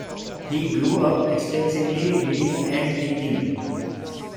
He grew up extensively reading and thinking.